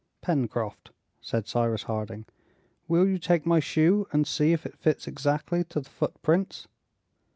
"Pencroft," said Cyrus Harding, "will you take my shoe and see if it fits exactly to the footprints?"